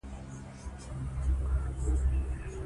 ازادي راډیو د طبیعي پېښې ستونزې راپور کړي.